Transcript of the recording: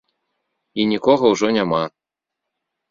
І нікога ўжо няма.